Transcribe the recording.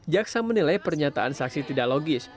jaksa menilai pernyataan saksi tidak logis